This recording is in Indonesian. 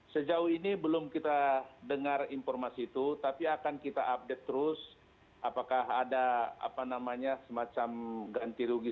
sejauh ini belum kita dengar informasi itu tapi akan kita update terus apakah ada semacam ganti rugi